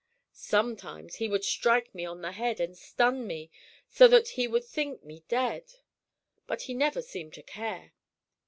Sometimes he would strike me on the head and stun me so that he would think me dead, but he never seemed to care.